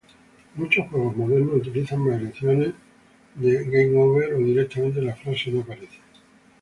Muchos juegos modernos utilizan variaciones de "Game over" o directamente la frase no aparece.